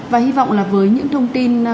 và hy vọng là với những thông tin